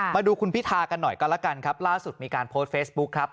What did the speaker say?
มาดูคุณพิธากันหน่อยก็แล้วกันครับล่าสุดมีการโพสต์เฟซบุ๊คครับ